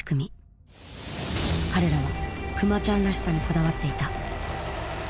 彼らはクマちゃんらしさにこだわっていた。